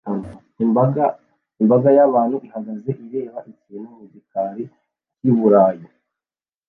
Imbaga y'abantu ihagaze ireba ikintu mu gikari cy'i Burayi